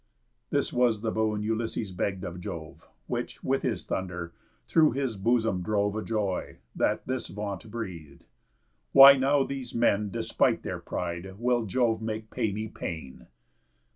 This was the boon Ulysses begg'd of Jove, Which, with his thunder, through his bosom drove A joy, that this vaunt breath'd: "Why now these men, Despite their pride, will Jove make pay me pain."